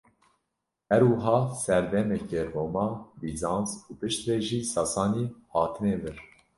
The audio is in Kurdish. Her wiha serdemekê Roma, Bîzans û piştre jî sasanî hatine vir.